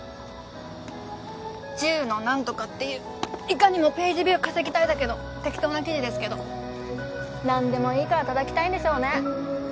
１０の何とかっていういかにもページビュー稼ぎたいだけの適当な記事ですけど何でもいいから叩きたいんでしょうね